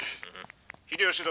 「秀吉殿は？」。